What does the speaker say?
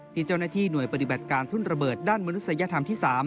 ที่เจ้าหน้าที่หน่วยปฏิบัติการทุ่นระเบิดด้านมนุษยธรรมที่๓